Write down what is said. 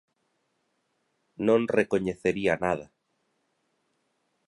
Non recoñecería nada.